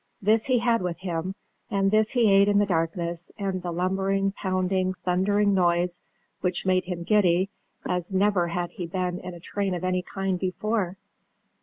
This he had with him, and this he ate in the darkness and the lumbering, pounding, thundering noise which made him giddy, as never had he been in a train of any kind before.